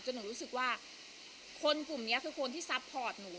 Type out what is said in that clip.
หนูรู้สึกว่าคนกลุ่มนี้คือคนที่ซัพพอร์ตหนู